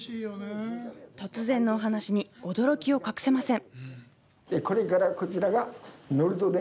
突然のお話に驚きを隠せません。